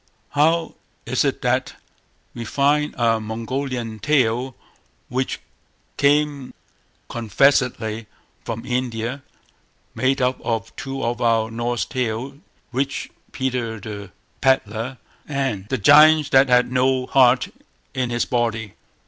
How is it that we find a Mongolian tale, which came confessedly from India, made up of two of our Norse tales, "Rich Peter the Pedlar" and "The Giant that had no heart in his body"?